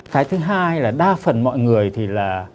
cái thứ hai là đa phần mọi người thì là